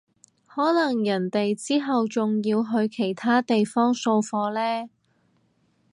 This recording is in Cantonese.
可能人哋之後仲要去其他地方掃貨呢